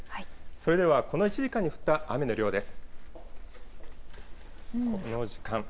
それでは、この１時間に降った雨の量です。